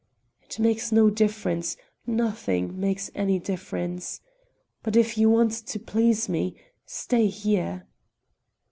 "It makes no difference; nothing makes any difference. But if you want to please me, stay here."